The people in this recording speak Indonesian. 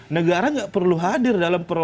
negara tidak perlu hadir dalam